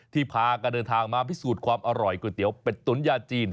พากันเดินทางมาพิสูจน์ความอร่อยก๋วยเตี๋ยวเป็ดตุ๋นยาจีน